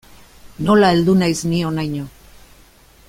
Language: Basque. Nola heldu naiz ni honaino.